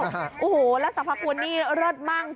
นะครับแม้ท่านที่ผ่านการปลุกเศกเรียบร้อยแล้วนะครับ